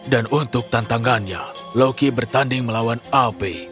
dan untuk tantangannya loki bertanding melawan albi